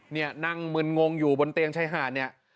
เนี่ยนั่งมึนงงอยู่บนเตียงชายหาดเนี่ย